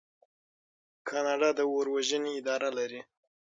کاناډا د اور وژنې اداره لري.